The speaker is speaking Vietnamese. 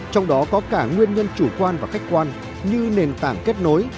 trong đó có cả nguyên nhân chủ quan và khách quan như nền tảng kết nối